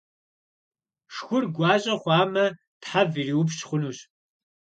Шхур гуащӏэ хъуамэ, тхьэв ирупщ хъунущ.